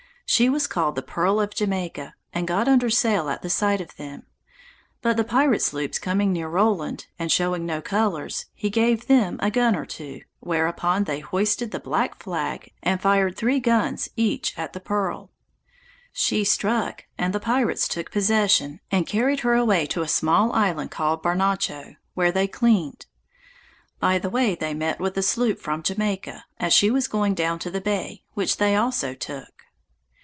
She was called the Pearl of Jamaica, and got under sail at the sight of them; but the pirate sloops coming near Rowland, and showing no colors, he gave them a gun or two, whereupon they hoisted the black flag, and fired three guns each at the Pearl. She struck, and the pirates took possession, and carried her away to a small island called Barnacho, where they cleaned. By the way they met with a sloop from Jamaica, as she was going down to the bay, which they also took.